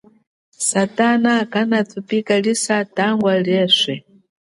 Satana kana tupikalisa tangwa lieswe.